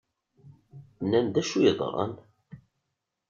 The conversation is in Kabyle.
Nnan-d acu yeḍran?